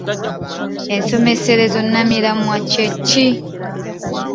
Ensomeserezo nnamiramwa kye ki?